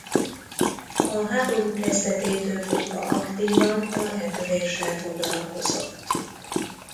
A háború kezdetétől fogva aktívan a repüléssel foglalkozott.